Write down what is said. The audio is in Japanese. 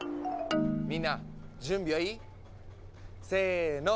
みんな準備はいい？せの。